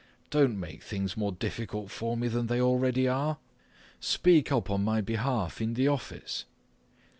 Don't make things more difficult for me than they already are. Speak up on my behalf in the office!